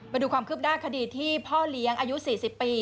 มาดูความคืบหน้าคดีที่พ่อเลี้ยงอายุ๔๐ปี